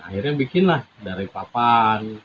akhirnya kita membuat dari papan